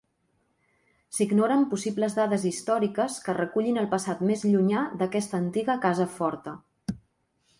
S'ignoren possibles dades històriques que recullin el passat més llunyà d'aquesta antiga casa forta.